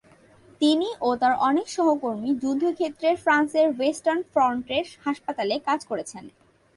তিনি ও তাঁর অনেক সহকর্মী যুদ্ধক্ষেত্রে ফ্রান্সের ওয়েস্টার্ন ফ্রন্টের হাসপাতালে কাজ করেছেন।